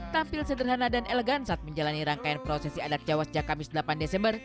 tampil sederhana dan elegan saat menjalani rangkaian prosesi adat jawa sejak kamis delapan desember